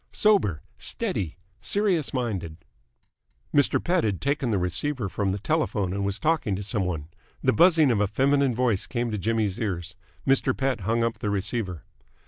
Sober, steady, serious minded!" Mr. Pett had taken the receiver from the telephone and was talking to some one. The buzzing of a feminine voice came to Jimmy's ears. Mr. Pett hung up the receiver.